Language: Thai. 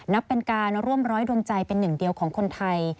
นับเป็นการร่วมร้อยดนใจเป็นหนึ่งเดียวของคนไทย